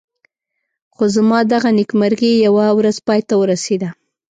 خو زما دغه نېکمرغي یوه ورځ پای ته ورسېده.